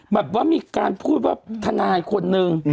แบบว่ามีการพูดว่าทนายคนนึง